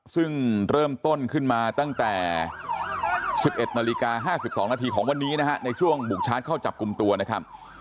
ซึ่งเริ่มต้นขึ้นมาตั้งแต่๑๑นาฬิกา๕๒นาทีของวันนี้นะฮะในช่วงบุกชาร์จเข้าจับกลุ่มตัวนะครับ